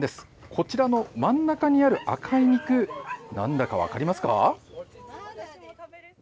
こちらの真ん中にある赤い肉、なんだか分かりますか？